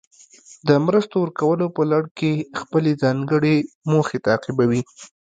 د مرستو ورکولو په لړ کې خپلې ځانګړې موخې تعقیبوي.